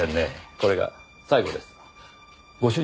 これが最後です。